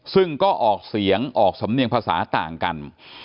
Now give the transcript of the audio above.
ซึ่งก็ออกเสียงออกสำเนียงภาษาต่างกัน